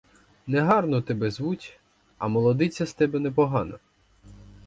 Негарно тебе звуть, а молодиця з тебе непогана!